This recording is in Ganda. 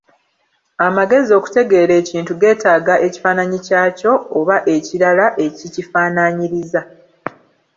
Amagezi okutegeera ekintu getaaga ekifananyi kyakyo, oba ekirala ekikifaanaanyiriza.